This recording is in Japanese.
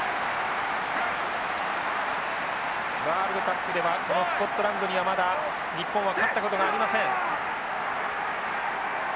ワールドカップではこのスコットランドにはまだ日本は勝ったことがありません。